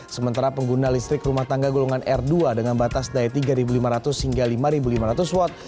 sementara pengguna listrik rumah tangga golongan r dua dengan batas daya tiga lima ratus hingga lima lima ratus watt